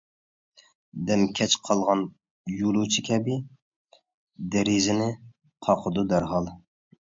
دەم كەچ قالغان يولۇچى كەبى، دېرىزىنى قاقىدۇ دەرھال.